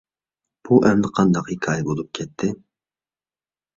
بۇ ئەمدى قانداق ھېكايە بولۇپ كەتتى؟